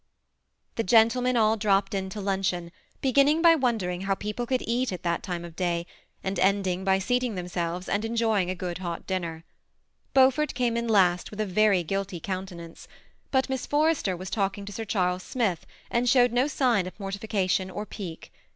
The gendemen all dropped in to luncheon, beginning bj wondering bow people could eat at that time of daj, and ending by seating themselves and enjoying a good hot dinner. Beaufort came in last, with a very guilty countenance; but Miss Forrester was talking to Sir Charles Smith, and showed no sign of mortification or pique.